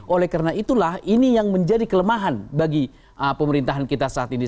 oleh karena itulah ini yang menjadi kelemahan bagi pemerintahan kita saat ini